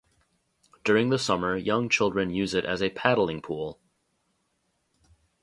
During the summer young children use it as a paddling pool.